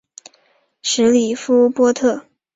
什里夫波特。